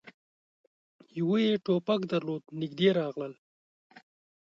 يوه يې ټوپک درلود. نږدې راغلل،